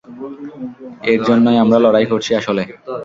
এর জন্যই আমরা লড়াই করছি আসলে।